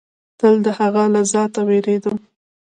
تل د هغه له ذاته وېرېدم.